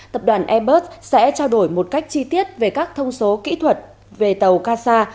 tập đoàn airbus sẽ trao đổi một cách chi tiết về các thông số kỹ thuật về tàu kasa